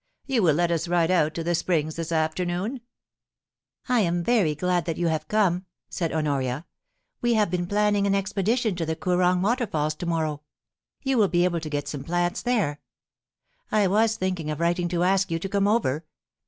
You will let us ride out to the Springs this afternoon ?I am very glad that you have come,* said Honoria. * We have been planning an expedition to the Koorong Waterfalls to morrow. You will be able to get some plants there. I was thinking of writing to ask you to come over.